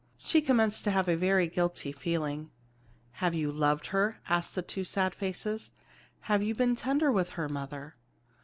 She commenced to have a very guilty feeling. "Have you loved her?" asked the two sad faces. "Have you been tender with her, mother?"